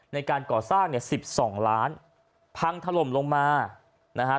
ในการก่อสร้างเนี่ยสิบสองล้านพังถล่มลงมานะฮะ